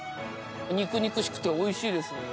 肉々しくて美味しいです。